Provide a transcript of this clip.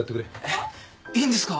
えっいいんですか？